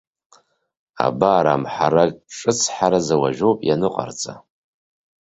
Абар, амҳара ҿыцҳҳараӡа уажәоуп ианыҟарҵа.